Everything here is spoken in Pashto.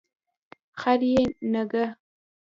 خر بی نګه